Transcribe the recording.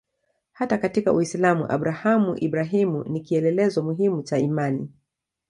Hata katika Uislamu Abrahamu-Ibrahimu ni kielelezo muhimu cha imani.